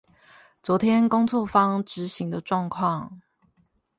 昨天工作坊執行的狀況